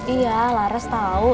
iya laras tau